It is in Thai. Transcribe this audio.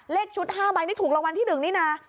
เลขชุด๕ใบนี่ถูกรางวัลที่๑นี่นะ